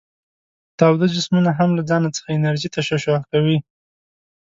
تاوده جسمونه هم له ځانه څخه انرژي تشعشع کوي.